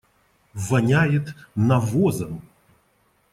Воняет навозом.